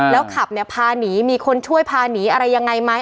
แล้วขับเนี่ยพาหนีมีคนช่วยพาหนีอะไรยังไงไหม